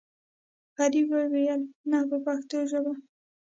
غریب وویل نه په پښتو ژبه.